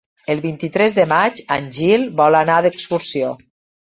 El vint-i-tres de maig en Gil vol anar d'excursió.